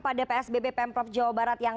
pada psbb pemprov jawa barat yang